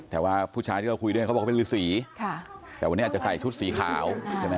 แต่ว่าผู้ชายที่เราคุยด้วยเขาบอกเขาเป็นฤษีแต่วันนี้อาจจะใส่ชุดสีขาวใช่ไหม